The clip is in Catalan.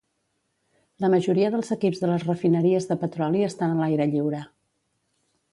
La majoria dels equips de les refineries de petroli estan a l'aire lliure.